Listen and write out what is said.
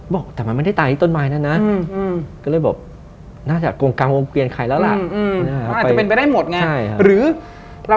บอกแต่มันไม่ได้ตายที่ต้นไม้นั่นนะ